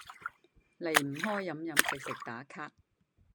離唔開飲飲食食打卡